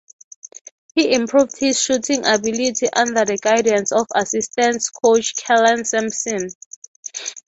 He improved his shooting ability under the guidance of assistant coach Kellen Sampson.